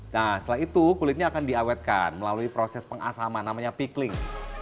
nah setelah itu kulitnya akan diawetkan melalui proses pengasaman namanya pikling